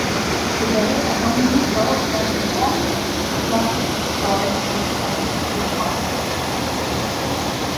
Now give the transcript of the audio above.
Today, a Home Depot and Sam's Club store sit on the property.